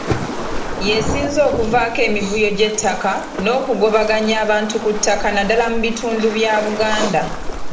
Y'esinze okuvaako emivuyo gy’ettaka n’okugobaganya abantu ku ttaka naddala mu bitundu bya Buganda.